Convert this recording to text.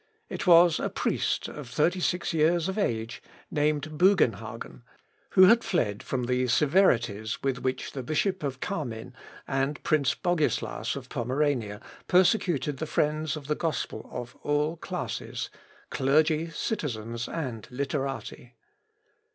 It was a priest of thirty six years of age, named Bugenhagen, who had fled from the severities with which the Bishop of Camin, and Prince Bogislas of Pomerania, persecuted the friends of the gospel of all classes clergy, citizens, and literati.